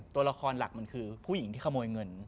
ตัวละครหลักมันคือผู้หญิงที่ขโมยเงิน